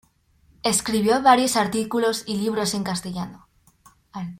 Escribió varios artículos y libros en castellano.